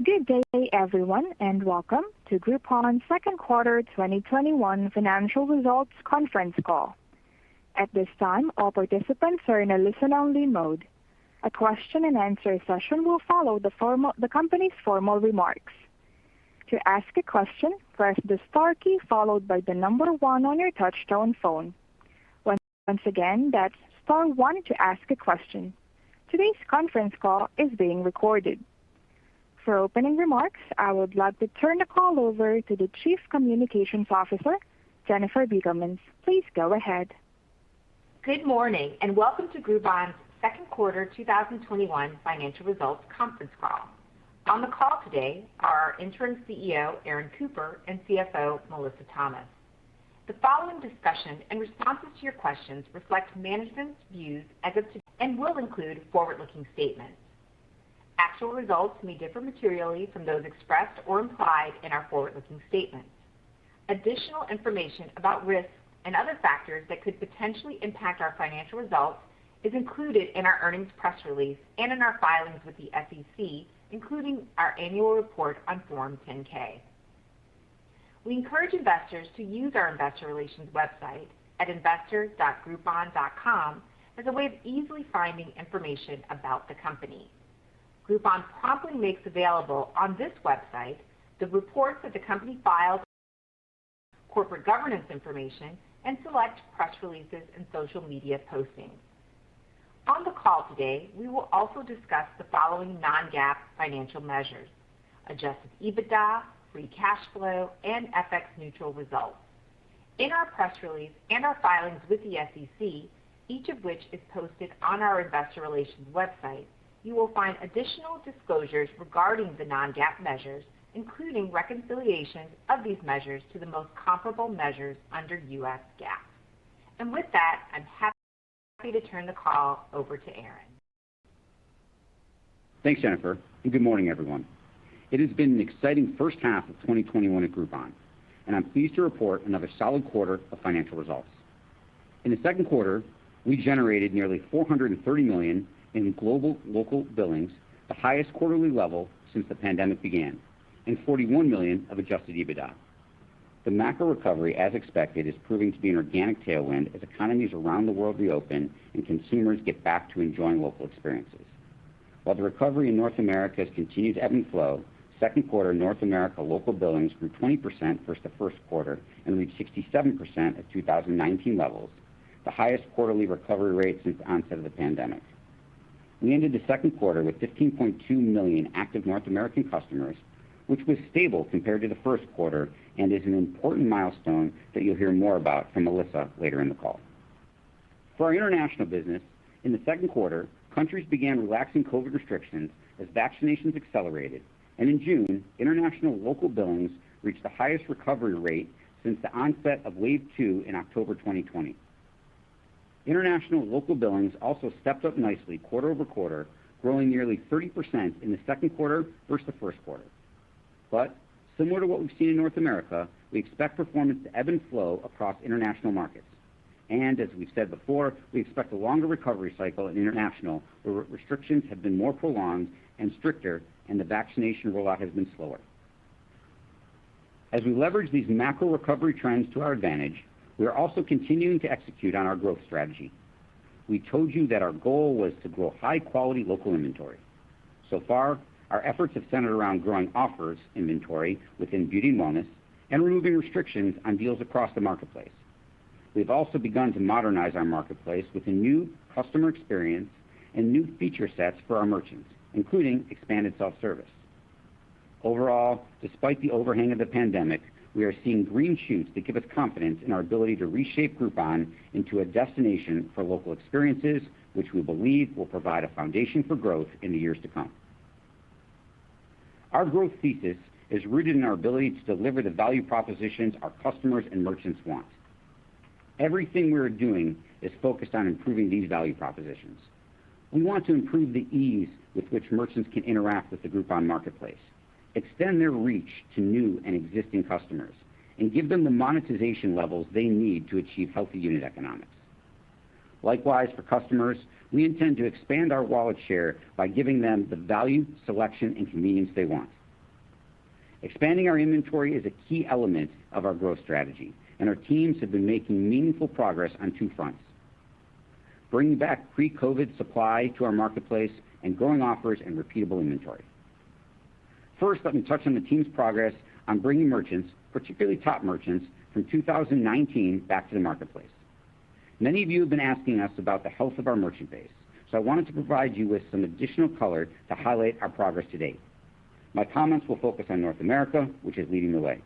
Good day everyone, and welcome to Groupon's second quarter 2021 financial results conference call. At this time all participants are in a only listen mode. A question and answer session will follow the company's formal remarks. To ask a question press the star key followed bythe number one on your touchtone phone. Once again press one to ask a question. Today's conference call is being recorded. The For opening remarks, I would like to turn the call over to the Chief Communications Officer, Jennifer Beugelmans. Please go ahead. Good morning, and welcome to Groupon's second quarter 2021 financial results conference call. On the call today are Interim CEO, Aaron Cooper, and CFO, Melissa Thomas. The following discussion and responses to your questions reflect management's views as of today and will include forward-looking statements. Actual results may differ materially from those expressed or implied in our forward-looking statements. Additional information about risks and other factors that could potentially impact our financial results is included in our earnings press release and in our filings with the SEC, including our annual report on Form 10-K. We encourage investors to use our investor relations website at investors.groupon.com as a way of easily finding information about the company. Groupon promptly makes available on this website the reports that the company files, corporate governance information, and select press releases and social media postings. On the call today, we will also discuss the following non-GAAP financial measures: adjusted EBITDA, free cash flow, and FX neutral results. In our press release and our filings with the SEC, each of which is posted on our investor relations website, you will find additional disclosures regarding the non-GAAP measures, including reconciliations of these measures to the most comparable measures under U.S. GAAP. With that, I'm happy to turn the call over to Aaron. Thanks, Jennifer, and good morning, everyone. It has been an exciting first half of 2021 at Groupon, and I'm pleased to report another solid quarter of financial results. In the second quarter, we generated nearly $430 million in global local billings, the highest quarterly level since the COVID pandemic began, and $41 million of adjusted EBITDA. The macro recovery, as expected, is proving to be an organic tailwind as economies around the world reopen and consumers get back to enjoying local experiences. While the recovery in North America has continued to ebb and flow, second quarter North America local billings grew 20% versus the first quarter and reached 67% of 2019 levels, the highest quarterly recovery rate since the onset of the pandemic. We ended the second quarter with 15.2 million active North American customers, which was stable compared to the first quarter and is an important milestone that you'll hear more about from Melissa later in the call. For our international business, in the second quarter, countries began relaxing COVID restrictions as vaccinations accelerated, and in June, international local billings reached the highest recovery rate since the onset of wave two in October 2020. International local billings also stepped up nicely quarter-over-quarter, growing nearly 30% in the second quarter versus the first quarter. Similar to what we've seen in North America, we expect performance to ebb and flow across international markets. As we've said before, we expect a longer recovery cycle in international, where restrictions have been more prolonged and stricter, and the vaccination rollout has been slower. As we leverage these macro recovery trends to our advantage, we are also continuing to execute on our growth strategy. We told you that our goal was to grow high-quality local inventory. So far, our efforts have centered around growing offers inventory within Beauty & Wellness and removing restrictions on deals across the marketplace. We've also begun to modernize our marketplace with a new customer experience and new feature sets for our merchants, including expanded self-service. Overall, despite the overhang of the pandemic, we are seeing green shoots that give us confidence in our ability to reshape Groupon into a destination for local experiences, which we believe will provide a foundation for growth in the years to come. Our growth thesis is rooted in our ability to deliver the value propositions our customers and merchants want. Everything we are doing is focused on improving these value propositions. We want to improve the ease with which merchants can interact with the Groupon marketplace, extend their reach to new and existing customers, and give them the monetization levels they need to achieve healthy unit economics. Likewise for customers, we intend to expand our wallet share by giving them the value, selection, and convenience they want. Expanding our inventory is a key element of our growth strategy, and our teams have been making meaningful progress on two fronts: bringing back pre-COVID supply to our marketplace and growing offers and repeatable inventory. First, let me touch on the team's progress on bringing merchants, particularly top merchants, from 2019 back to the marketplace. Many of you have been asking us about the health of our merchant base, I wanted to provide you with some additional color to highlight our progress to date. My comments will focus on North America, which is leading the way.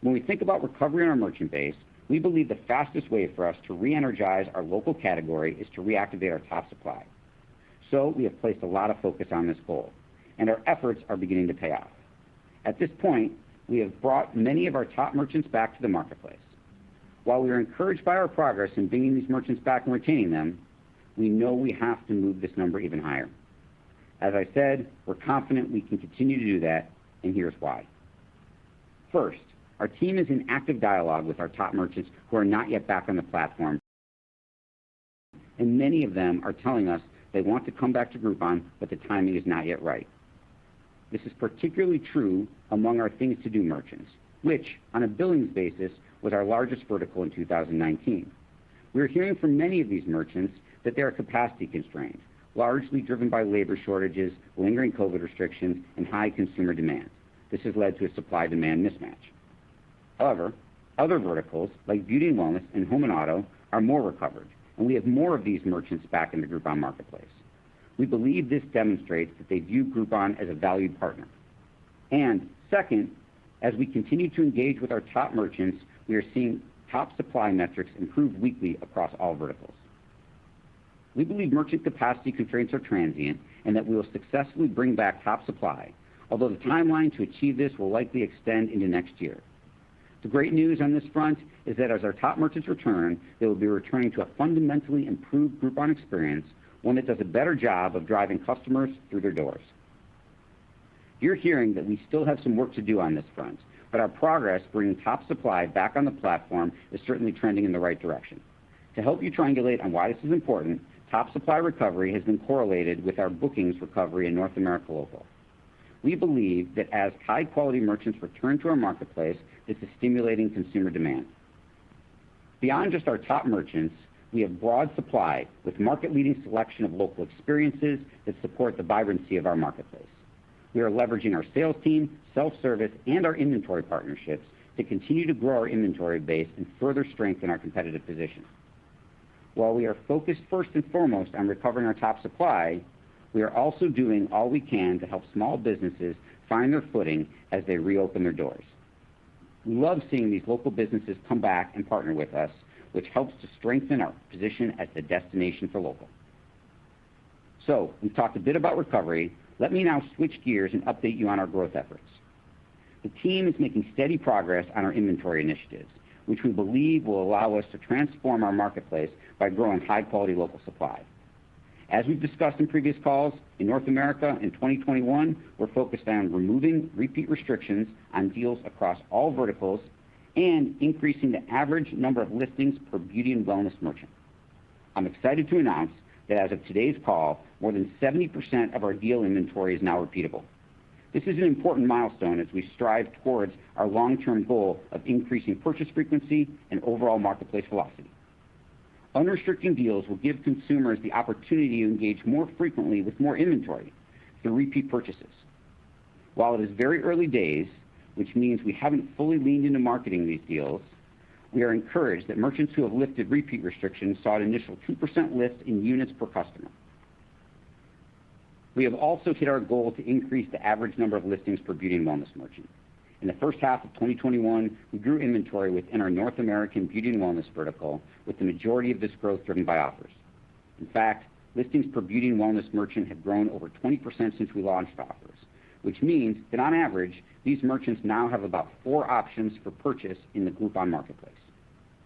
When we think about recovery on our merchant base, we believe the fastest way for us to reenergize our local category is to reactivate our top supply. We have placed a lot of focus on this goal, and our efforts are beginning to pay off. At this point, we have brought many of our top merchants back to the marketplace. While we are encouraged by our progress in bringing these merchants back and retaining them, we know we have to move this number even higher. As I said, we're confident we can continue to do that, and here's why. First, our team is in active dialogue with our top merchants who are not yet back on the platform. Many of them are telling us they want to come back to Groupon, but the timing is not yet right. This is particularly true among our Things To Do merchants, which on a billings basis was our largest vertical in 2019. We're hearing from many of these merchants that they are capacity constrained, largely driven by labor shortages, lingering COVID restrictions, and high consumer demand. This has led to a supply-demand mismatch. However, other verticals like Beauty & Wellness and Home & Auto are more recovered, and we have more of these merchants back in the Groupon marketplace. We believe this demonstrates that they view Groupon as a valued partner. Second, as we continue to engage with our top merchants, we are seeing top supply metrics improve weekly across all verticals. We believe merchant capacity constraints are transient and that we will successfully bring back top supply, although the timeline to achieve this will likely extend into next year. The great news on this front is that as our top merchants return, they will be returning to a fundamentally improved Groupon experience, one that does a better job of driving customers through their doors. You're hearing that we still have some work to do on this front, but our progress bringing top supply back on the platform is certainly trending in the right direction. To help you triangulate on why this is important, top supply recovery has been correlated with our booking's recovery in North America Local. We believe that as high-quality merchants return to our marketplace, this is stimulating consumer demand. Beyond just our top merchants, we have broad supply with market-leading selection of local experiences that support the vibrancy of our marketplace. We are leveraging our sales team, self-service, and our inventory partnerships to continue to grow our inventory base and further strengthen our competitive position. While we are focused first and foremost on recovering our top supply, we are also doing all we can to help small businesses find their footing as they reopen their doors. We love seeing these local businesses come back and partner with us, which helps to strengthen our position as the destination for local. We've talked a bit about recovery. Let me now switch gears and update you on our growth efforts. The team is making steady progress on our inventory initiatives, which we believe will allow us to transform our marketplace by growing high-quality local supply. As we've discussed in previous calls, in North America in 2021, we're focused on removing repeat restrictions on deals across all verticals and increasing the average number of listings per Beauty & Wellness merchant. I'm excited to announce that as of today's call, more than 70% of our deal inventory is now repeatable. This is an important milestone as we strive towards our long-term goal of increasing purchase frequency and overall marketplace velocity. Unrestricting deals will give consumers the opportunity to engage more frequently with more inventory through repeat purchases. While it is very early days, which means we haven't fully leaned into marketing these deals, we are encouraged that merchants who have lifted repeat restrictions saw an initial 2% lift in units per customer. We have also hit our goal to increase the average number of listings per Beauty & Wellness merchant. In the first half of 2021, we grew inventory within our North American Beauty & Wellness vertical, with the majority of this growth driven by offers. In fact, listings per Beauty & Wellness merchant have grown over 20% since we launched offers, which means that on average, these merchants now have about four options for purchase in the Groupon marketplace.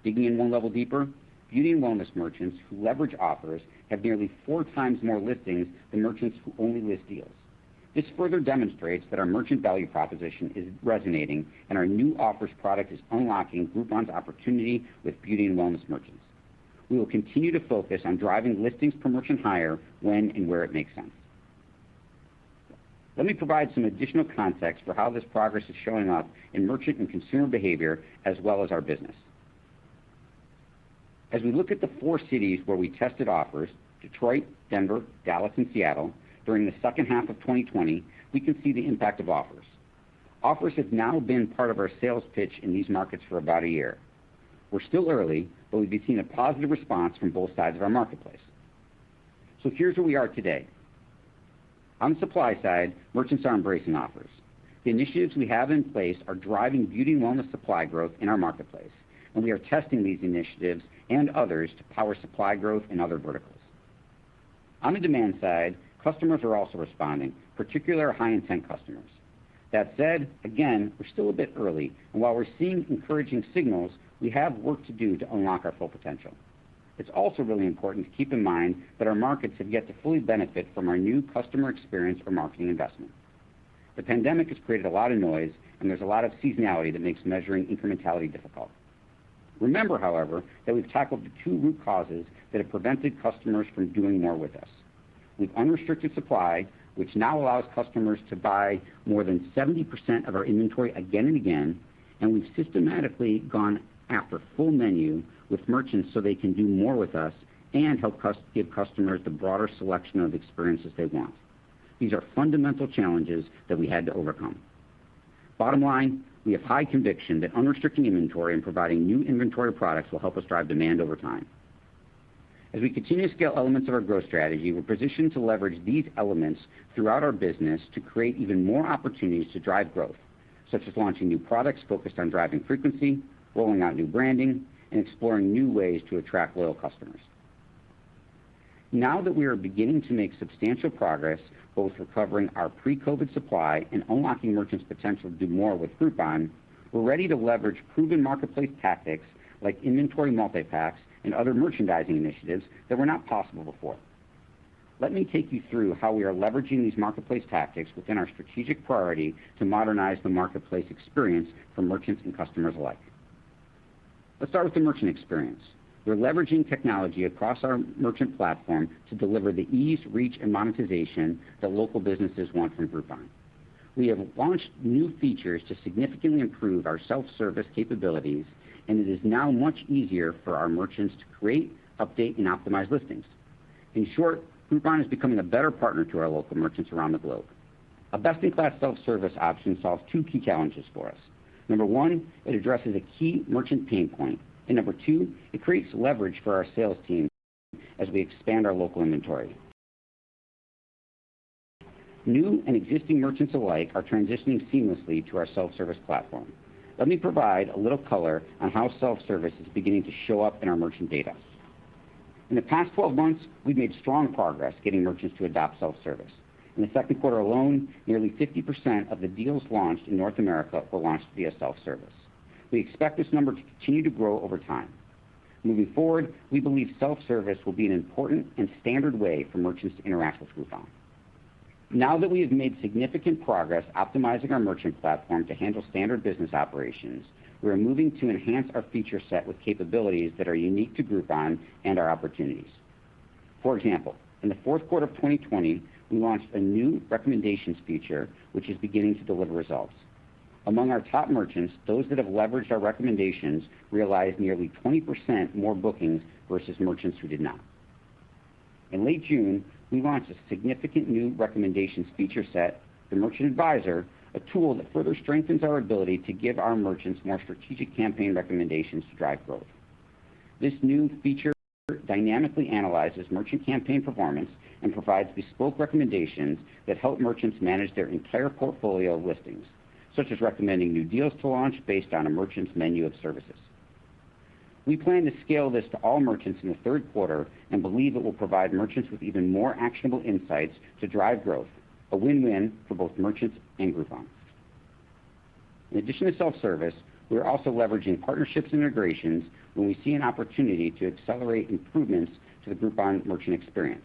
Digging in one level deeper, Beauty & Wellness merchants who leverage offers have nearly four times more listings than merchants who only list deals. This further demonstrates that our merchant value proposition is resonating and our new offers product is unlocking Groupon's opportunity with Beauty & Wellness merchants. We will continue to focus on driving listings per merchant higher when and where it makes sense. Let me provide some additional context for how this progress is showing up in merchant and consumer behavior as well as our business. As we look at the four cities where we tested offers, Detroit, Denver, Dallas, and Seattle, during the second half of 2020, we can see the impact of offers. Offers have now been part of our sales pitch in these markets for about a year. We're still early, but we've seen a positive response from both sides of our marketplace. Here's where we are today. On the supply side, merchants are embracing offers. The initiatives we have in place are driving Beauty & Wellness supply growth in our marketplace, and we are testing these initiatives and others to power supply growth in other verticals. On the demand side, customers are also responding, particularly our high-intent customers. That said, again, we're still a bit early, and while we're seeing encouraging signals, we have work to do to unlock our full potential. It's also really important to keep in mind that our markets have yet to fully benefit from our new customer experience or marketing investment. The pandemic has created a lot of noise, and there's a lot of seasonality that makes measuring incrementality difficult. Remember, however, that we've tackled the two root causes that have prevented customers from doing more with us. We've unrestricted supply, which now allows customers to buy more than 70% of our inventory again and again, and we've systematically gone after full menu with merchants so they can do more with us and help give customers the broader selection of experiences they want. These are fundamental challenges that we had to overcome. Bottom line, we have high conviction that unrestricting inventory and providing new inventory products will help us drive demand over time. As we continue to scale elements of our growth strategy, we're positioned to leverage these elements throughout our business to create even more opportunities to drive growth, such as launching new products focused on driving frequency, rolling out new branding, and exploring new ways to attract loyal customers. Now that we are beginning to make substantial progress, both recovering our pre-COVID supply and unlocking merchants' potential to do more with Groupon, we're ready to leverage proven marketplace tactics like inventory multipacks and other merchandising initiatives that were not possible before. Let me take you through how we are leveraging these marketplace tactics within our strategic priority to modernize the marketplace experience for merchants and customers alike. Let's start with the merchant experience. We're leveraging technology across our merchant platform to deliver the ease, reach, and monetization that local businesses want from Groupon. We have launched new features to significantly improve our self-service capabilities. It is now much easier for our merchants to create, update, and optimize listings. In short, Groupon is becoming a better partner to our local merchants around the globe. A best-in-class self-service option solves two key challenges for us. Number one, it addresses a key merchant pain point. Number two, it creates leverage for our sales team as we expand our local inventory. New and existing merchants alike are transitioning seamlessly to our self-service platform. Let me provide a little color on how self-service is beginning to show up in our merchant data. In the past 12 months, we've made strong progress getting merchants to adopt self-service. In the second quarter alone, nearly 50% of the deals launched in North America were launched via self-service. We expect this number to continue to grow over time. Moving forward, we believe self-service will be an important and standard way for merchants to interact with Groupon. Now that we have made significant progress optimizing our merchant platform to handle standard business operations, we are moving to enhance our feature set with capabilities that are unique to Groupon and our opportunities. For example, in the fourth quarter of 2020, we launched new recommendations feature which is beginning to deliver results. Among our top merchants, those that have leveraged our recommendations realized nearly 20% more bookings versus merchants who did not. In late June, we launched significant new recommendations feature set, the Merchant Advisor, a tool that further strengthens our ability to give our merchants more strategic campaign recommendations to drive growth. This new feature dynamically analyzes merchant campaign performance and provides bespoke recommendations that help merchants manage their entire portfolio of listings, such as recommending new deals to launch based on a merchant's menu of services. We plan to scale this to all merchants in the third quarter and believe it will provide merchants with even more actionable insights to drive growth, a win-win for both merchants and Groupon. In addition to self-service, we are also leveraging partnerships integrations when we see an opportunity to accelerate improvements to the Groupon merchant experience.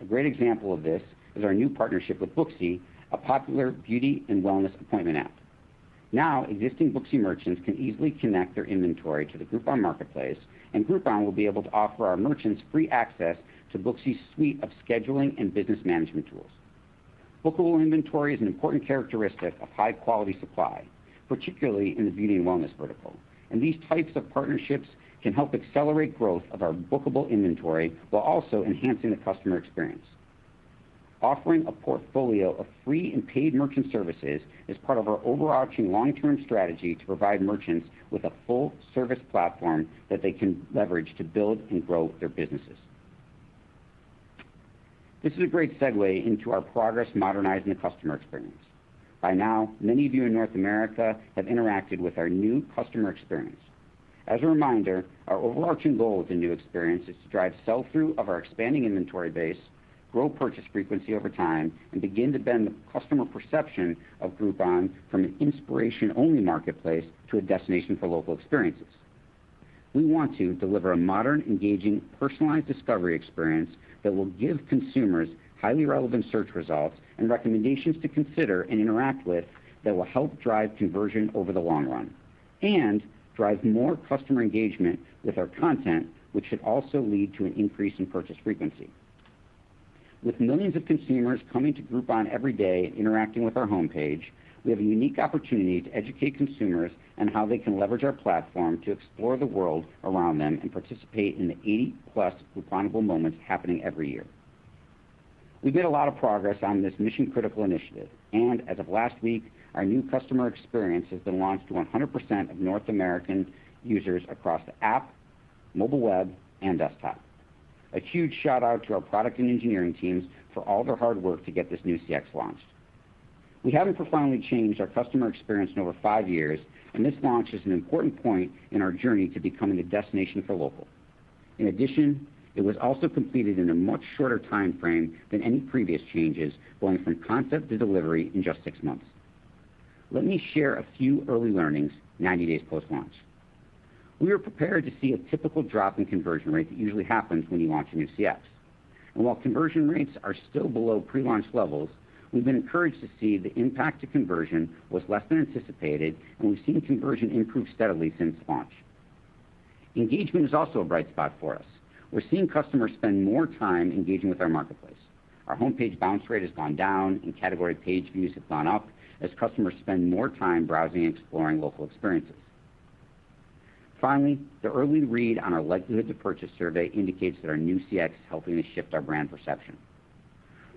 A great example of this is our new partnership with Booksy, a popular Beauty & Wellness appointment app. Now, existing Booksy merchants can easily connect their inventory to the Groupon marketplace, and Groupon will be able to offer our merchants free access to Booksy's suite of scheduling and business management tools. Bookable inventory is an important characteristic of high-quality supply, particularly in the Beauty & Wellness vertical, and these types of partnerships can help accelerate growth of our bookable inventory while also enhancing the customer experience. Offering a portfolio of free and paid merchant services is part of our overarching long-term strategy to provide merchants with a full-service platform that they can leverage to build and grow their businesses. This is a great segue into our progress modernizing the customer experience. By now, many of you in North America have interacted with our new customer experience. As a reminder, our overarching goal with the new experience is to drive sell-through of our expanding inventory base, grow purchase frequency over time, and begin to bend the customer perception of Groupon from an inspiration-only marketplace to a destination for local experiences. We want to deliver a modern, engaging, personalized discovery experience that will give consumers highly relevant search results and recommendations to consider and interact with that will help drive conversion over the long run and drive more customer engagement with our content, which should also lead to an increase in purchase frequency. With millions of consumers coming to Groupon every day interacting with our homepage, we have a unique opportunity to educate consumers on how they can leverage our platform to explore the world around them and participate in the 80+ Grouponable moments happening every year. We've made a lot of progress on this mission-critical initiative. As of last week, our new customer experience has been launched to 100% of North American users across the app, mobile web, and desktop. A huge shout-out to our product and engineering teams for all their hard work to get this new CX launched. We haven't profoundly changed our customer experience in over five years. This launch is an important point in our journey to becoming a destination for local. In addition, it was also completed in a much shorter timeframe than any previous changes, going from concept to delivery in just six months. Let me share a few early learnings 90 days post-launch. We were prepared to see a typical drop-in conversion rate that usually happens when you launch a new CX. While conversion rates are still below pre-launch levels, we've been encouraged to see the impact to conversion was less than anticipated, and we've seen conversion improve steadily since launch. Engagement is also a bright spot for us. We're seeing customers spend more time engaging with our marketplace. Our homepage bounce rate has gone down, and category page views have gone up as customers spend more time browsing and exploring local experiences. Finally, the early read on our likelihood to purchase survey indicates that our new CX is helping to shift our brand perception.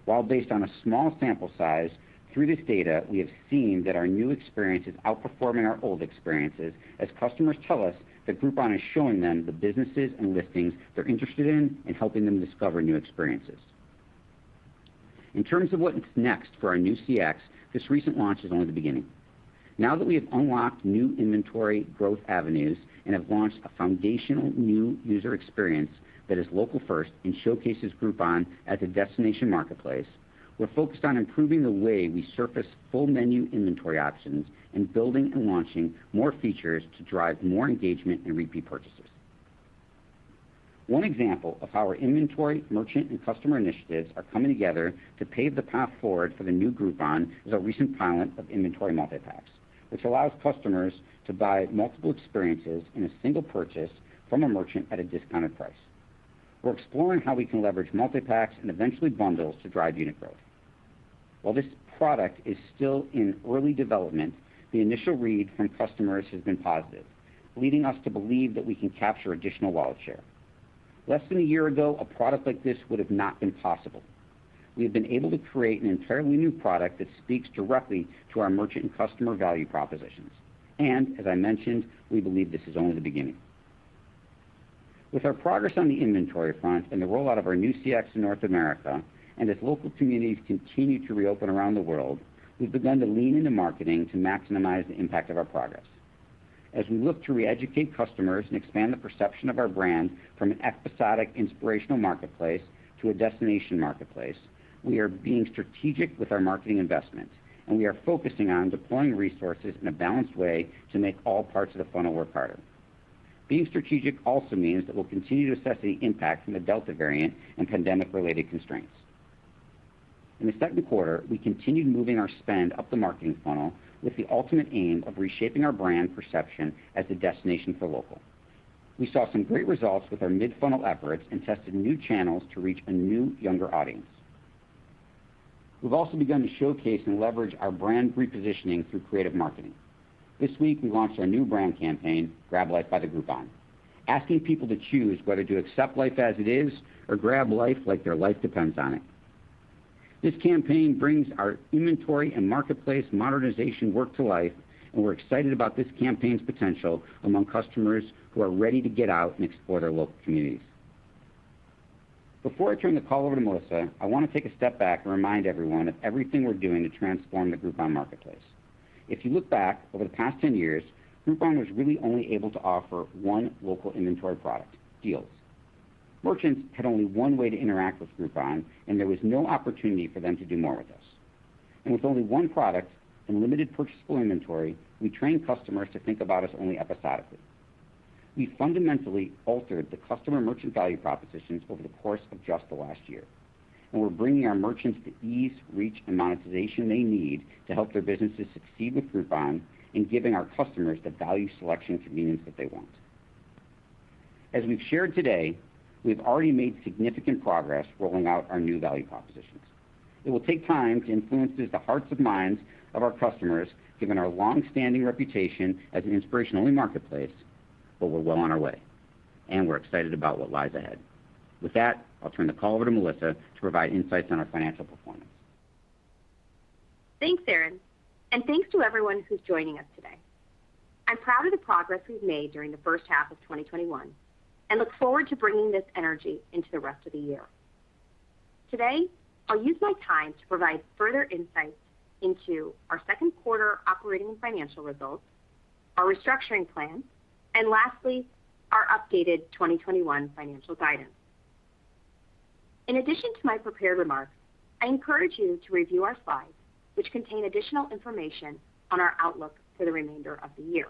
While based on a small sample size, through this data, we have seen that our new experience is outperforming our old experiences as customers tell us that Groupon is showing them the businesses and listings they're interested in and helping them discover new experiences. In terms of what is next for our new CX, this recent launch is only the beginning. We have unlocked new inventory growth avenues and have launched a foundational new user experience that is local first and showcases Groupon as a destination marketplace. We're focused on improving the way we surface full menu inventory options and building and launching more features to drive more engagement and repeat purchases. One example of how our inventory, merchant, and customer initiatives are coming together to pave the path forward for the new Groupon is our recent pilot of inventory multipacks, which allows customers to buy multiple experiences in a single purchase from a merchant at a discounted price. We're exploring how we can leverage multipacks and eventually bundles to drive unit growth. While this product is still in early development, the initial read from customers has been positive, leading us to believe that we can capture additional wallet share. Less than a year ago, a product like this would've not been possible. We have been able to create an entirely new product that speaks directly to our merchant and customer value propositions. As I mentioned, we believe this is only the beginning. With our progress on the inventory front and the rollout of our new CX in North America, and as local communities continue to reopen around the world, we've begun to lean into marketing to maximize the impact of our progress. As we look to re-educate customers and expand the perception of our brand from an episodic, inspirational marketplace to a destination marketplace, we are being strategic with our marketing investments, and we are focusing on deploying resources in a balanced way to make all parts of the funnel work harder. Being strategic also means that we'll continue to assess the impact from the Delta variant and pandemic-related constraints. In the second quarter, we continued moving our spend up the marketing funnel with the ultimate aim of reshaping our brand perception as a destination for local. We saw some great results with our mid-funnel efforts and tested new channels to reach a new, younger audience. We've also begun to showcase and leverage our brand repositioning through creative marketing. This week, we launched our new brand campaign, Grab Life by the Groupon, asking people to choose whether to accept life as it is or grab life like their life depends on it. This campaign brings our inventory and marketplace modernization work to life, and we're excited about this campaign's potential among customers who are ready to get out and explore their local communities. Before I turn the call over to Melissa, I want to take a step back and remind everyone of everything we're doing to transform the Groupon marketplace. If you look back over the past 10 years, Groupon was really only able to offer one local inventory product, deals. Merchants had only one way to interact with Groupon, and there was no opportunity for them to do more with us. With only one product and limited purchasable inventory, we trained customers to think about us only episodically. We fundamentally altered the customer merchant value propositions over the course of just the last year, and we're bringing our merchants the ease, reach, and monetization they need to help their businesses succeed with Groupon and giving our customers the value, selection, convenience that they want. As we've shared today, we've already made significant progress rolling out our new value propositions. It will take time to influence the hearts of minds of our customers, given our longstanding reputation as an inspiration-only marketplace, but we're well on our way, and we're excited about what lies ahead. With that, I'll turn the call over to Melissa to provide insights on our financial performance. Thanks, Aaron, and thanks to everyone who's joining us today. I'm proud of the progress we've made during the first half of 2021 and look forward to bringing this energy into the rest of the year. Today, I'll use my time to provide further insights into our second quarter operating and financial results, our restructuring plan, and lastly, our updated 2021 financial guidance. In addition to my prepared remarks, I encourage you to review our slides, which contain additional information on our outlook for the remainder of the year.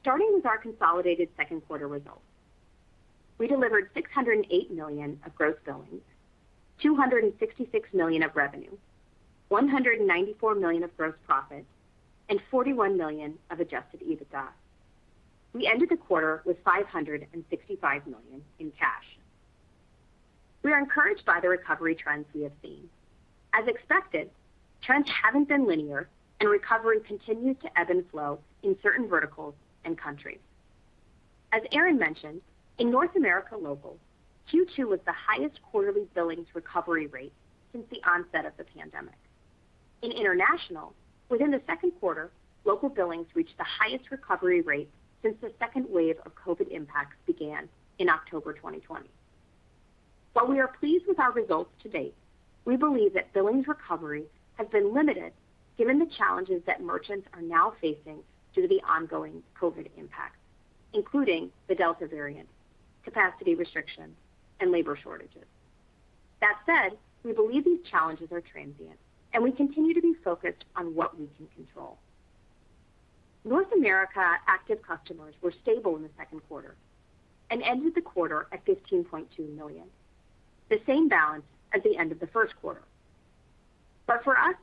Starting with our consolidated second quarter results, we delivered $608 million of gross billings, $266 million of revenue, $194 million of gross profit, and $41 million of adjusted EBITDA. We ended the quarter with $565 million in cash. We are encouraged by the recovery trends we have seen. As expected, trends haven't been linear. Recovery continues to ebb and flow in certain verticals and countries. As Aaron mentioned, in North America Local, Q2 was the highest quarterly billings recovery rate since the onset of the pandemic. In International, within the second quarter, local billings reached the highest recovery rate since the second wave of COVID impacts began in October 2020. While we are pleased with our results to date, we believe that billings recovery has been limited given the challenges that merchants are now facing due to the ongoing COVID impacts, including the Delta variant, capacity restrictions, and labor shortages. That said, we believe these challenges are transient, and we continue to be focused on what we can control. North America active customers were stable in the second quarter and ended the quarter at $15.2 million, the same balance as the end of the first quarter. For us,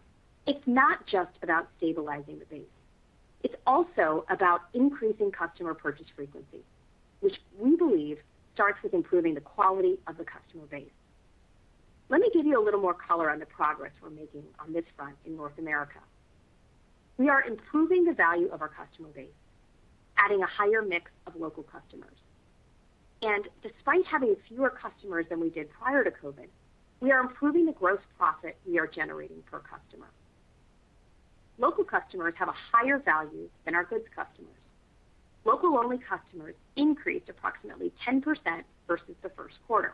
it's not just about stabilizing the base. It's also about increasing customer purchase frequency, which we believe starts with improving the quality of the customer base. Let me give you a little more color on the progress we're making on this front in North America. We are improving the value of our customer base, adding a higher mix of local customers. Despite having fewer customers than we did prior to COVID, we are improving the gross profit we are generating per customer. Local customers have a higher value than our goods customers. Local-only customers increased approximately 10% versus the first quarter,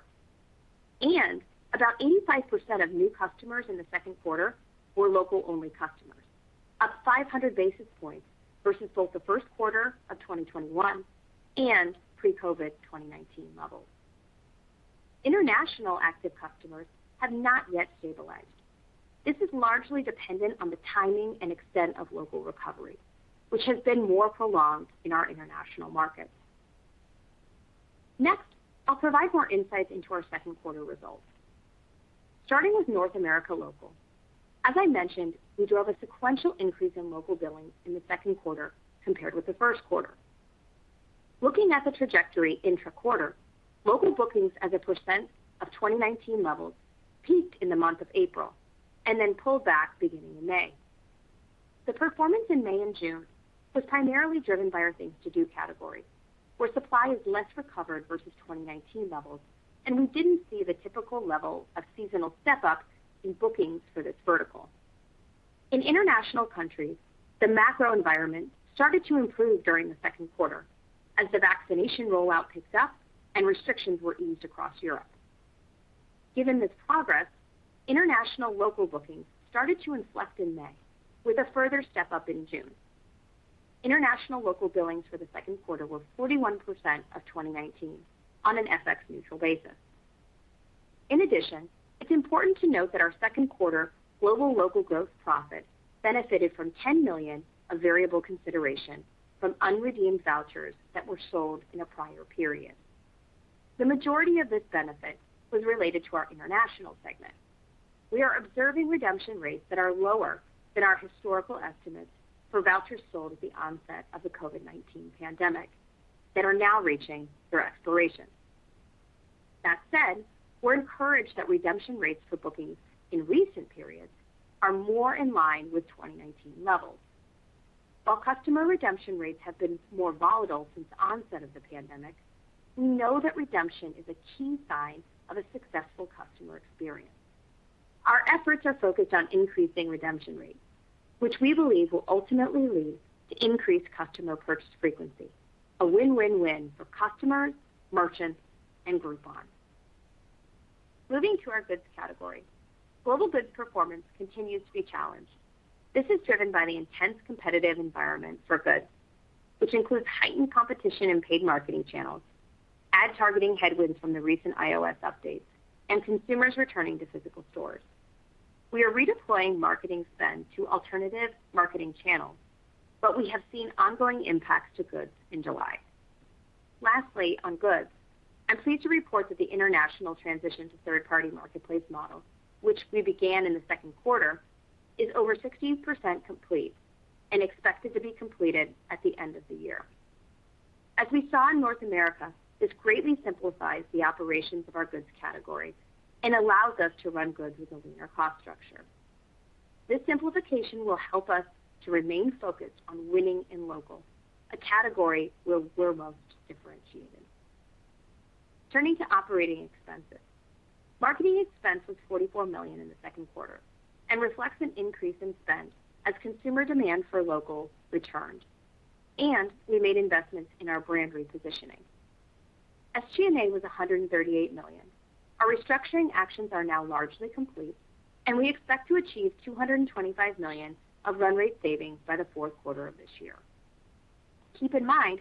and about 85% of new customers in the second quarter were local-only customers, 500 basis points versus both the first quarter of 2021 and pre-COVID 2019 levels. International active customers have not yet stabilized. This is largely dependent on the timing and extent of local recovery, which has been more prolonged in our international markets. I'll provide more insights into our second quarter results. Starting with North America Local, as I mentioned, we drove a sequential increase in local billings in the second quarter compared with the first quarter. Looking at the trajectory intra-quarter, local bookings as a percent of 2019 levels peaked in the month of April and then pulled back beginning in May. The performance in May and June was primarily driven by our Things To Do category, where supply is less recovered versus 2019 levels, and we didn't see the typical level of seasonal step-up in bookings for this vertical. In international countries, the macro environment started to improve during the second quarter as the vaccination rollout picked up and restrictions were eased across Europe. Given this progress, international local bookings started to inflect in May, with a further step-up in June. International local billings for the second quarter were 41% of 2019 on an FX neutral basis. In addition, it's important to note that our second quarter global local gross profit benefited from $10 million of variable consideration from unredeemed vouchers that were sold in a prior period. The majority of this benefit was related to our international segment. We are observing redemption rates that are lower than our historical estimates for vouchers sold at the onset of the COVID-19 pandemic that are now reaching their expiration. That said, we're encouraged that redemption rates for bookings in recent periods are more in line with 2019 levels. While customer redemption rates have been more volatile since the onset of the pandemic, we know that redemption is a key sign of a successful customer experience. Our efforts are focused on increasing redemption rates, which we believe will ultimately lead to increased customer purchase frequency. A win-win-win for customers, merchants, and Groupon. Moving to our Goods category, global goods performance continues to be challenged. This is driven by the intense competitive environment for goods, which includes heightened competition in paid marketing channels, ad targeting headwinds from the recent iOS updates, and consumers returning to physical stores. We are redeploying marketing spend to alternative marketing channels, but we have seen ongoing impacts to Goods in July. Lastly, on Goods, I'm pleased to report that the international transition to third-party marketplace model, which we began in the second quarter, is over 60% complete and expected to be completed at the end of the year. As we saw in North America, this greatly simplifies the operations of our Goods category and allows us to run Goods with a linear cost structure. This simplification will help us to remain focused on winning in Local, a category where we're most differentiated. Turning to operating expenses. Marketing expense was $44 million in the second quarter and reflects an increase in spend as consumer demand for Local returned, and we made investments in our brand repositioning. SG&A was $138 million. Our restructuring actions are now largely complete, and we expect to achieve $225 million of run rate savings by the fourth quarter of this year. Keep in mind,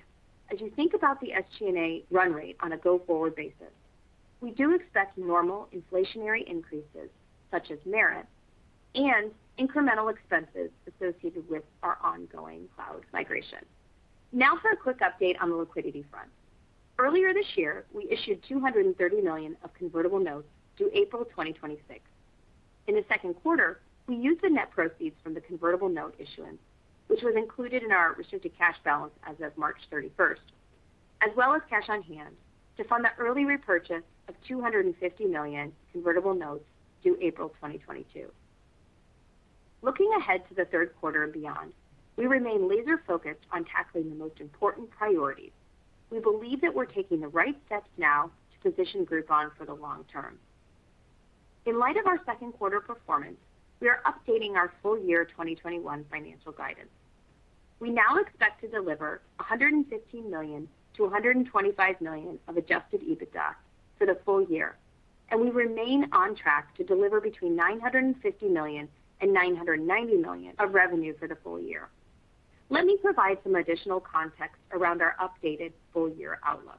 as you think about the SG&A run rate on a go-forward basis, we do expect normal inflationary increases such as merit and incremental expenses associated with our ongoing cloud migration. Now for a quick update on the liquidity front. Earlier this year, we issued $230 million of convertible notes due April 2026. In the second quarter, we used the net proceeds from the convertible note issuance, which was included in our restricted cash balance as of March 31st, as well as cash on hand to fund the early repurchase of $250 million convertible notes due April 2022. Looking ahead to the third quarter and beyond, we remain laser-focused on tackling the most important priorities. We believe that we're taking the right steps now to position Groupon for the long term. In light of our second quarter performance, we are updating our full year 2021 financial guidance. We now expect to deliver $115 million-$125 million of adjusted EBITDA for the full year, and we remain on track to deliver between $950 million and $990 million of revenue for the full year. Let me provide some additional context around our updated full year outlook.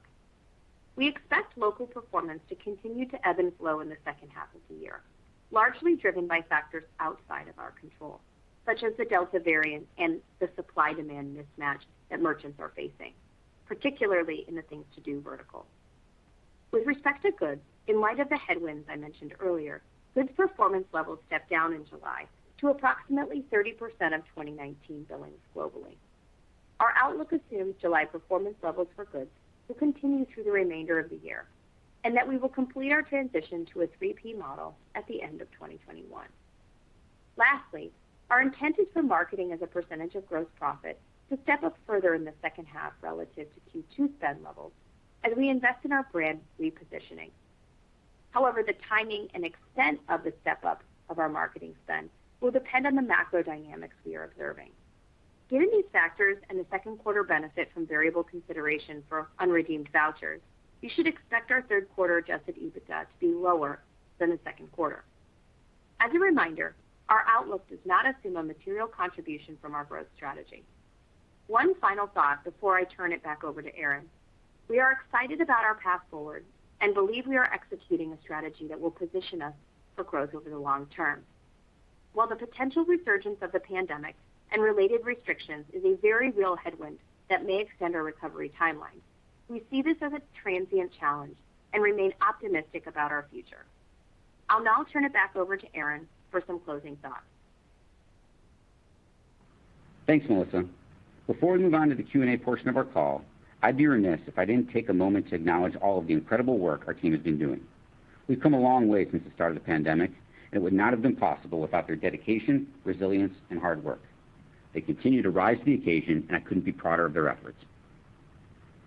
We expect local performance to continue to ebb and flow in the second half of the year, largely driven by factors outside of our control, such as the Delta variant and the supply-demand mismatch that merchants are facing, particularly in the Things To Do vertical. With respect to Goods, in light of the headwinds I mentioned earlier, Goods performance levels stepped down in July to approximately 30% of 2019 billings globally. Our outlook assumes July performance levels for Goods will continue through the remainder of the year, and that we will complete our transition to a 3P model at the end of 2021. Lastly, our intent is for marketing as a percentage of gross profit to step up further in the second half relative to Q2 spend levels as we invest in our brand repositioning. However, the the timing and extent of the step-up of our marketing spend will depend on the macro dynamics we are observing. Given these factors and the second quarter benefit from variable consideration for unredeemed vouchers, you should expect our third quarter adjusted EBITDA to be lower than the second quarter. As a reminder, our outlook does not assume a material contribution from our growth strategy. One final thought before I turn it back over to Aaron. We are excited about our path forward and believe we are executing a strategy that will position us for growth over the long term. While the potential resurgence of the pandemic and related restrictions is a very real headwind that may extend our recovery timeline, we see this as a transient challenge and remain optimistic about our future. I'll now turn it back over to Aaron for some closing thoughts. Thanks, Melissa. Before we move on to the Q&A portion of our call, I'd be remiss if I didn't take a moment to acknowledge all of the incredible work our team has been doing. We've come a long way since the start of the pandemic, and it would not have been possible without their dedication, resilience, and hard work. They continue to rise to the occasion, and I couldn't be prouder of their efforts.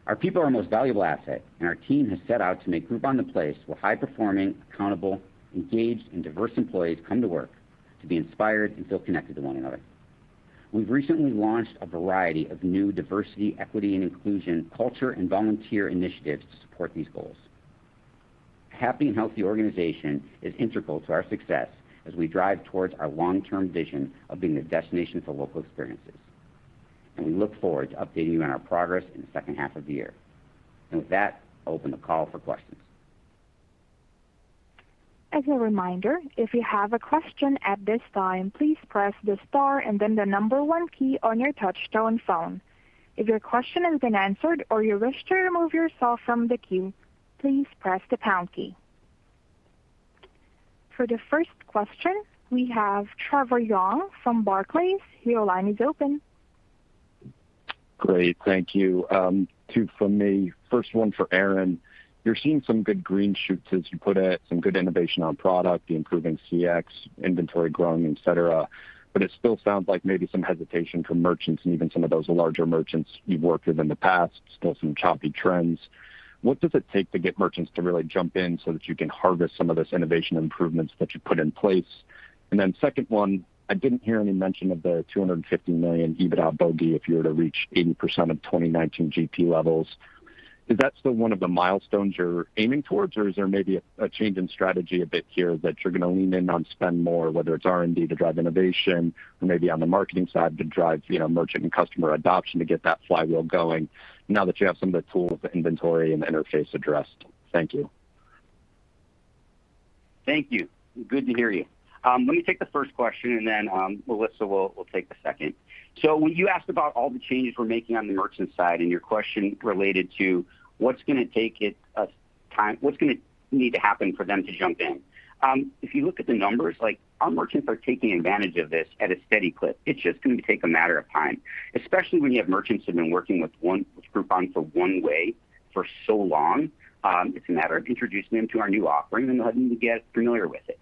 Our people are our most valuable asset, and our team has set out to make Groupon the place where high-performing, accountable, engaged, and diverse employees come to work to be inspired and feel connected to one another. We've recently launched a variety of new diversity, equity, and inclusion culture and volunteer initiatives to support these goals. A happy and healthy organization is integral to our success as we drive towards our long-term vision of being the destination for local experiences. We look forward to updating you on our progress in the second half of the year. With that, I'll open the call for questions. As a reminder if you have a question at this time please press the star and then the number one key on your touch tone phone. If your question has been answered or you wish to remove yourself from the queue please press the pound key. For the first question, we have Trevor Young from Barclays. Your line is open. Great. Thank you. Two from me. First one for Aaron. You are seeing some good green shoots, as you put it, some good innovation on product, the improving CX, inventory growing, et cetera. It still sounds like maybe some hesitation from merchants and even some of those larger merchants you have worked with in the past, still some choppy trends. What does it take to get merchants to really jump in so that you can harvest some of those innovation improvements that you put in place? Second one, I did not hear any mention of the $250 million EBITDA bogey if you were to reach 80% of 2019 GP levels. Is that still one of the milestones you're aiming towards, or is there maybe a change in strategy a bit here that you're going to lean in on spend more, whether it's R&D to drive innovation or maybe on the marketing side to drive merchant and customer adoption to get that flywheel going now that you have some of the tools, the inventory, and the interface addressed? Thank you. Thank you. Good to hear you. Let me take the first question, and then Melissa will take the second. When you asked about all the changes we're making on the merchant side and your question related to what's going to need to happen for them to jump in. If you look at the numbers, our merchants are taking advantage of this at a steady clip. It's just going to take a matter of time, especially when you have merchants who've been working with Groupon for one way for so long. It's a matter of introducing them to our new offering and letting them get familiar with it.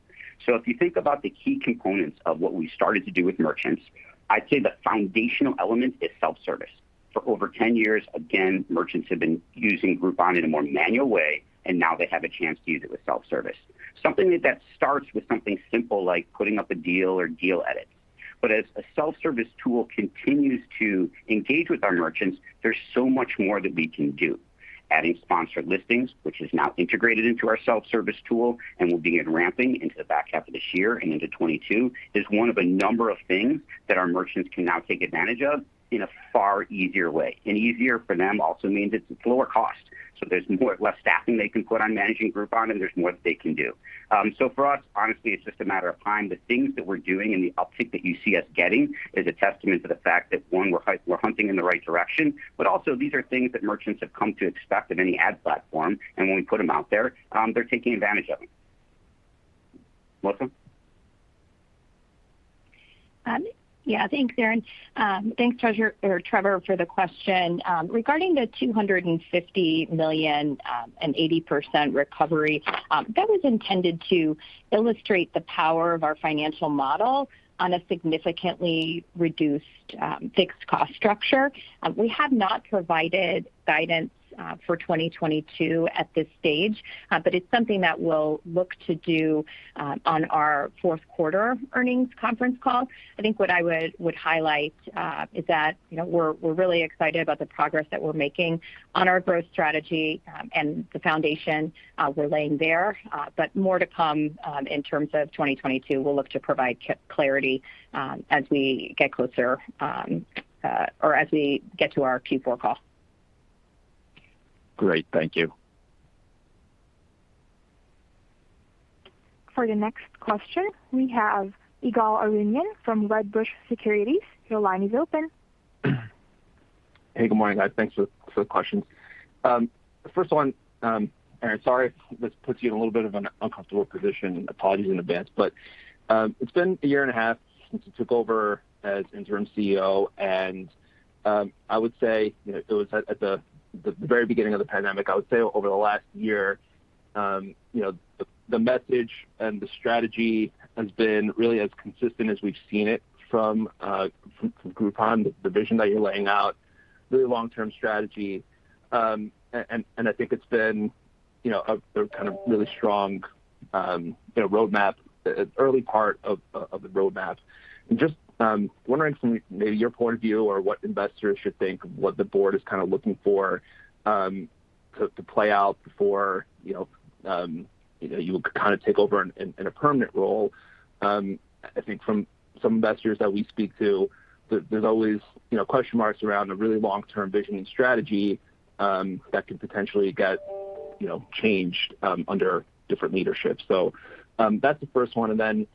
If you think about the key components of what we started to do with merchants, I'd say the foundational element is self-service. For over 10 years, again, merchants have been using Groupon in a more manual way, now they have a chance to use it with self-service. Something that starts with something simple like putting up a deal or deal edit. As a self-service tool continues to engage with our merchants, there's so much more that we can do. Adding sponsored listings, which is now integrated into our self-service tool and will begin ramping into the back half of this year and into 2022, is one of a number of things that our merchants can now take advantage of in a far easier way. Easier for them also means it's lower cost. There's less staffing they can put on managing Groupon, there's more that they can do. For us, honestly, it's just a matter of time. The things that we're doing and the uptick that you see us getting is a testament to the fact that, one, we're hunting in the right direction, but also these are things that merchants have come to expect of any ad platform, and when we put them out there, they're taking advantage of them. Melissa? Yeah. Thanks, Aaron. Thanks, Trevor, for the question. Regarding the $250 million, and 80% recovery, that was intended to illustrate the power of our financial model on a significantly reduced fixed cost structure. We have not provided guidance for 2022 at this stage, but it's something that we'll look to do on our fourth quarter earnings conference call. I think what I would highlight is that we're really excited about the progress that we're making on our growth strategy and the foundation we're laying there. More to come in terms of 2022. We'll look to provide clarity as we get closer, or as we get to our Q4 call. Great. Thank you. For the next question, we have Ygal Arounian from Wedbush Securities. Your line is open. Hey, good morning, guys. Thanks for the questions. First one, Aaron, sorry if this puts you in a little bit of an uncomfortable position, apologies in advance. It's been a year and a half since you took over as interim CEO, and I would say it was at the very beginning of the pandemic. I would say over the last year, the message and the strategy has been really as consistent as we've seen it from Groupon, the vision that you're laying out, a really long-term strategy. I think it's been a kind of really strong early part of the roadmap. Just wondering from maybe your point of view or what investors should think, what the board is kind of looking for to play out before you will take over in a permanent role. I think from some investors that we speak to, there's always question marks around a really long-term vision and strategy that could potentially get changed under different leadership. That's the first one and then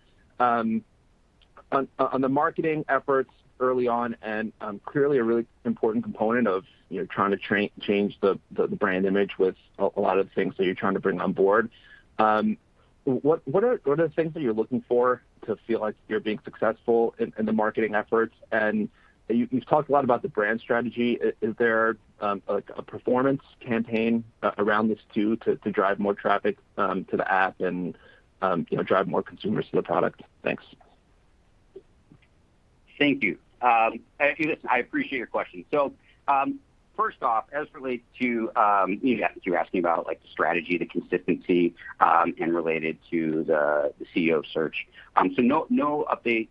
on the marketing efforts early on, and clearly a really important component of trying to change the brand image with a lot of things that you're trying to bring on board. What are the things that you're looking for to feel like you're being successful in the marketing efforts? You've talked a lot about the brand strategy. Is there a performance campaign around this too to drive more traffic to the app and drive more consumers to the product? Thanks. Thank you. Listen, I appreciate your question. First off, as it relates to you asking about the strategy, the consistency, and related to the CEO search. No new update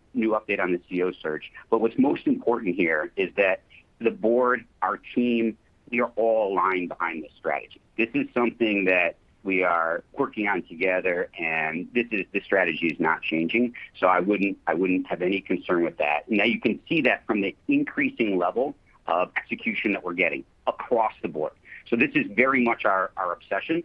on the CEO search, but what's most important here is that the board, our team, we are all aligned behind the strategy. This is something that we are working on together, and the strategy is not changing. I wouldn't have any concern with that. Now you can see that from the increasing level of execution that we're getting across the board. This is very much our obsession.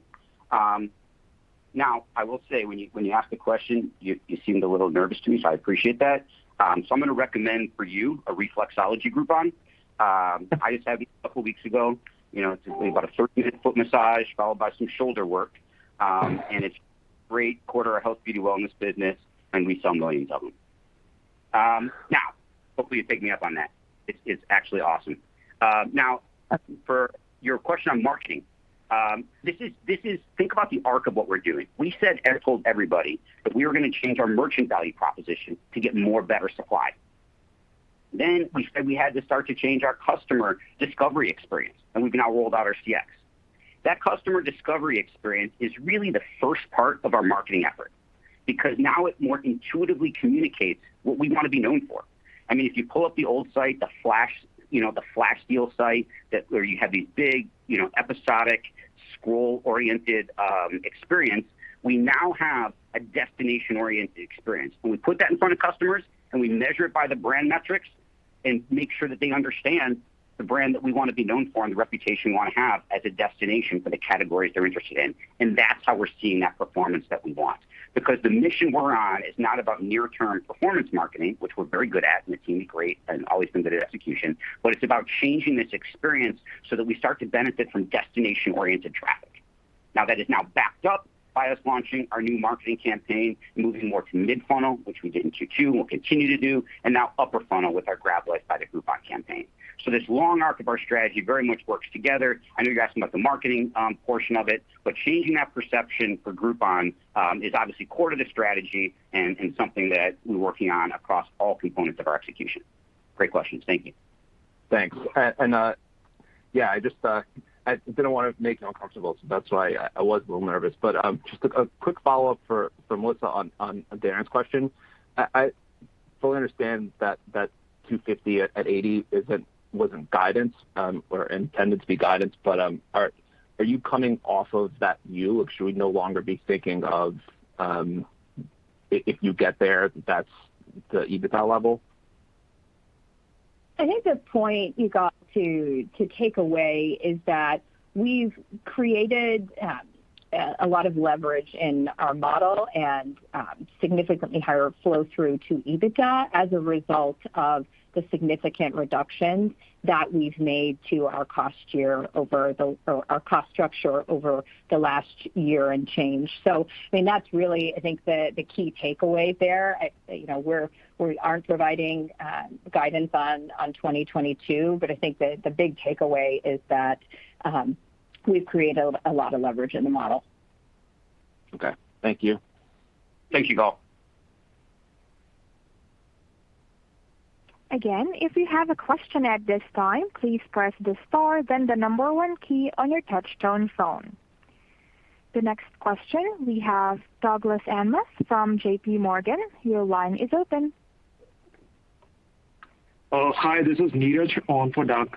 Now, I will say, when you asked the question, you seemed a little nervous to me, so I appreciate that. I'm going to recommend for you a reflexology Groupon. I just had these a two weeks ago. It's about a 30-minute foot massage followed by some shoulder work, and it's great quarter of Beauty & Wellness business, and we sell millions of them. Now, hopefully you take me up on that. It's actually awesome. Now, for your question on marketing. Think about the arc of what we're doing. We said and told everybody that we were going to change our merchant value proposition to get more better supply. We said we had to start to change our customer discovery experience, and we've now rolled out our CX. That customer discovery experience is really the first part of our marketing effort, because now it more intuitively communicates what we want to be known for. If you pull up the old site, the flash deals site, where you have these big episodic scroll-oriented experience, we now have a destination-oriented experience. When we put that in front of customers and we measure it by the brand metrics and make sure that they understand the brand that we want to be known for and the reputation we want to have as a destination for the categories they're interested in, and that's how we're seeing that performance that we want. Because the mission we're on is not about near-term performance marketing, which we're very good at, and the team is great and always been good at execution, but it's about changing this experience so that we start to benefit from destination-oriented traffic. Now that is now backed up by us launching our new marketing campaign, moving more to mid-funnel, which we did in Q2, and we'll continue to do, and now upper funnel with our Grab Life by the Groupon campaign. This long arc of our strategy very much works together. I know you're asking about the marketing portion of it, changing that perception for Groupon is obviously core to the strategy and something that we're working on across all components of our execution. Great questions. Thank you. Thanks. Yeah, I didn't want to make you uncomfortable, so that's why I was a little nervous. Just a quick follow-up for Melissa on Trevor Young's question. I fully understand that $250 at $80 wasn't guidance, or intended to be guidance, but are you coming off of that view, or should we no longer be thinking of if you get there, that's the EBITDA level? I think the point you got to take away is that we've created a lot of leverage in our model and significantly higher flow through to EBITDA as a result of the significant reductions that we've made to our cost structure over the last year and change. That's really, I think, the key takeaway there. We aren't providing guidance on 2022, but I think that the big takeaway is that we've created a lot of leverage in the model. Okay. Thank you. Thank you all. The next question we have Douglas Anmuth from JPMorgan. Your line is open. Hi, this is Neeraj on for Doug.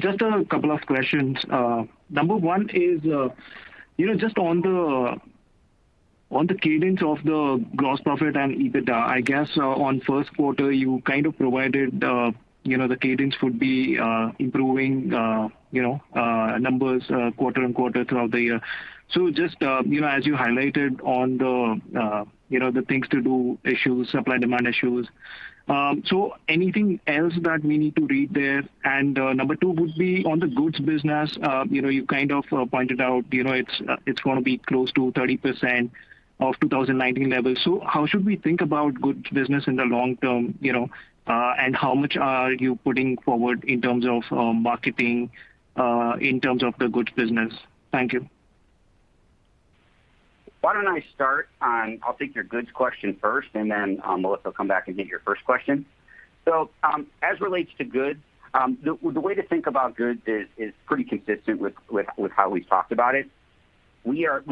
Just a couple of questions. Number one is, just on the cadence of the gross profit and EBITDA. On first quarter, you provided the cadence would be improving numbers quarter-over-quarter throughout the year. Just as you highlighted on the Things To Do issues, supply-demand issues. Anything else that we need to read there? Number two would be on the goods business. You pointed out it's going to be close to 30% of 2019 levels. How should we think about goods business in the long term, and how much are you putting forward in terms of marketing in terms of the goods business? Thank you. Why don't I start on, I'll take your goods question first, and then, Melissa, come back and get your first question. As relates to goods, the way to think about goods is pretty consistent with how we've talked about it. We have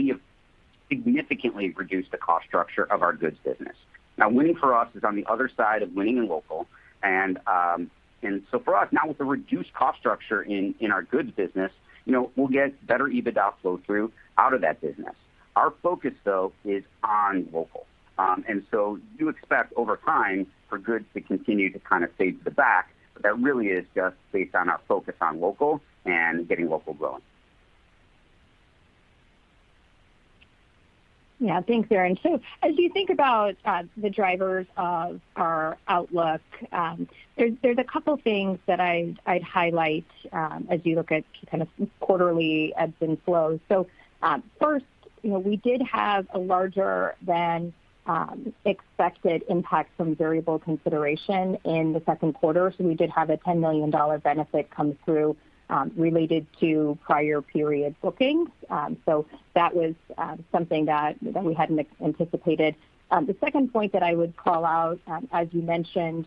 significantly reduced the cost structure of our goods business. Winning for us is on the other side of winning in local. For us, now with the reduced cost structure in our goods business, we'll get better EBITDA flow through out of that business. Our focus, though, is on local. Do expect over time for goods to continue to kind of fade to the back, but that really is just based on our focus on local and getting local going. Yeah. Thanks, Aaron. As you think about the drivers of our outlook, there's a couple things that I'd highlight as you look at kind of quarterly ebbs and flows. First, we did have a larger than expected impact from variable consideration in the second quarter. We did have a $10 million benefit come through related to prior period bookings. That was something that we hadn't anticipated. The second point that I would call out, as you mentioned,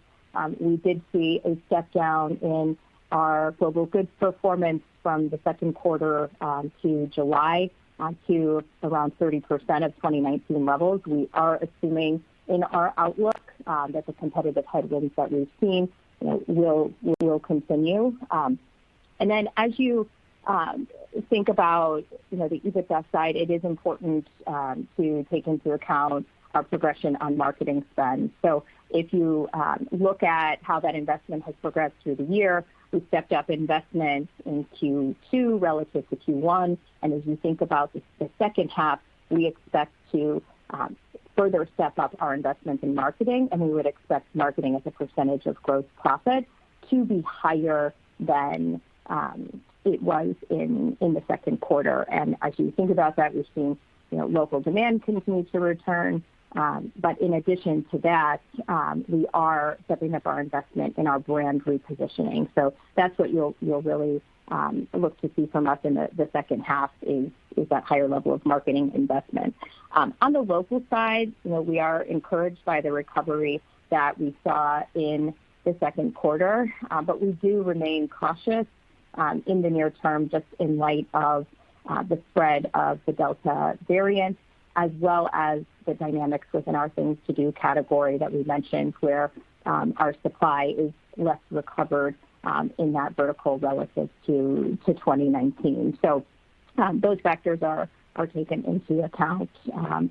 we did see a step down in our global goods performance from the second quarter to July to around 30% of 2019 levels. We are assuming in our outlook that the competitive headwinds that we've seen will continue. As you think about the EBITDA side, it is important to take into account our progression on marketing spend. If you look at how that investment has progressed through the year, we've stepped up investments in Q2 relative to Q1. As you think about the second half, we expect to further step up our investments in marketing, and we would expect marketing as a percentage of gross profit to be higher than it was in the second quarter. As you think about that, we've seen local demand continue to return. In addition to that, we are stepping up our investment in our brand repositioning. That's what you'll really look to see from us in the second half is that higher level of marketing investment. On the local side, we are encouraged by the recovery that we saw in the second quarter. We do remain cautious in the near term, just in light of the spread of the Delta variant, as well as the dynamics within our Things To Do category that we mentioned, where our supply is less recovered in that vertical relative to 2019. Those factors are taken into account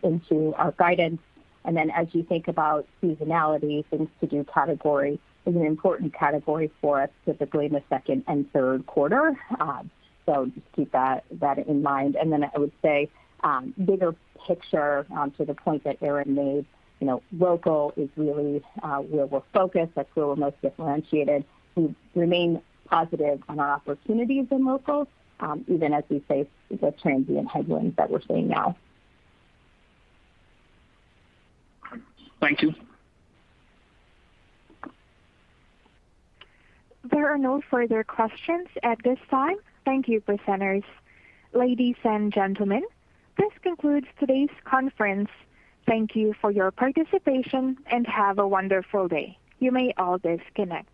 into our guidance. As you think about seasonality, Things To Do category is an important category for us, typically in the second and third quarter. Just keep that in mind. I would say, bigger picture to the point that Aaron made, local is really where we're focused, that's where we're most differentiated. We remain positive on our opportunities in local, even as we face the transient headwinds that we're seeing now. Thank you. There are no further questions at this time. Thank you, presenters. Ladies and gentlemen, this concludes today's conference. Thank you for your participation and have a wonderful day. You may all disconnect.